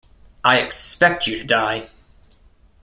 I expect you to die.